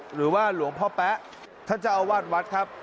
หรือว่าหลวงพ่อแป๊ะท่านเจ้าอาวาสวัดครับ